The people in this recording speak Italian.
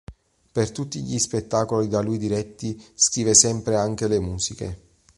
Per tutti gli spettacoli da lui diretti, scrive sempre anche le musiche.